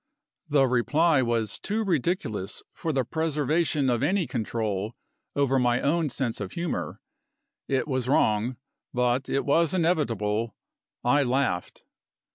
The reply was too ridiculous for the preservation of any control over my own sense of humor. It was wrong; but it was inevitable I laughed.